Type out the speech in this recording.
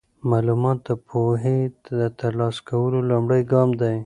معلومات د پوهې د ترلاسه کولو لومړی ګام دی.